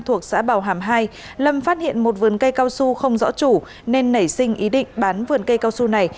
thuộc xã bảo hàm hai lâm phát hiện một vườn cây cao su không rõ chủ nên nảy sinh ý định bán vườn cây cao su này